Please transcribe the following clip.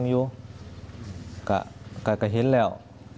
ก็เห็นแล้วก็เห็นแล้ว